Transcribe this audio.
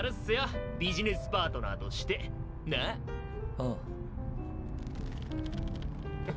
ああ。